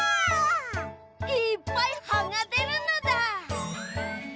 いっぱいはがでるのだ。